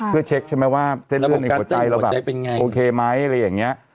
เพื่อเช็คใช่ไหมว่าเส้นเลือดในหัวใจเราแบบโอเคไหมอะไรอย่างนี้